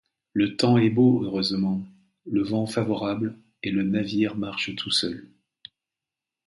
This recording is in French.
Le temps est beau, heureusement, le vent favorable, et le navire marche tout seul…